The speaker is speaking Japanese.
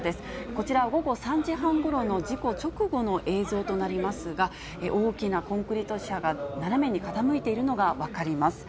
こちら、午後３時半ごろの事故直後の映像となりますが、大きなコンクリート車が斜めに傾いているのが分かります。